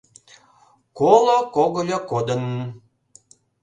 Коло когыльо кодын!